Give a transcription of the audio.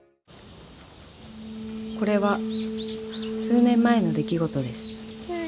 ［これは数年前の出来事です］ねえ。